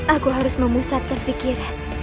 aku harus memusatkan pikiran